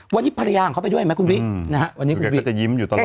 วันนี้ภรรยาของเขาไปด้วยไหมคุณวินะฮะวันนี้คุณวิก็ยิ้มอยู่ตลอด